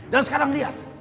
dan sekarang lihat